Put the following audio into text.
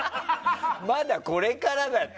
まだこれからだって。